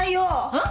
うん？